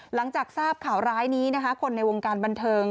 หลังจากทราบข่าวร้ายนี้นะคะคนในวงการบันเทิง